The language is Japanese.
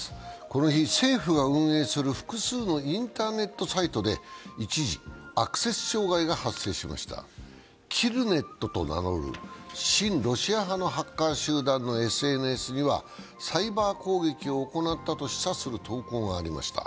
この日、政府が運営する複数のインターネットサイトで一時、アクセス障害が発生しましたキルネットと名乗る親ロシア派のハッカー集団のＳＮＳにはサイバー攻撃を行ったと示唆する投稿がありました。